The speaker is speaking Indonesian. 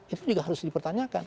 itu juga harus dipertanyakan